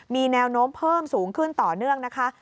มีแนวโน้มเพิ่มสูงขึ้นต่อเนื่องนะคะ